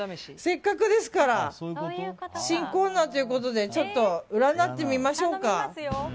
せっかくですから新コーナーということでちょっと占ってみましょうか。